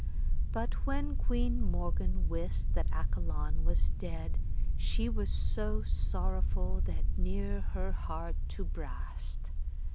But when Queen Morgan wist that Accolon was dead, she was so sorrowful that near her heart to brast.